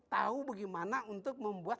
tahu bagaimana untuk membuat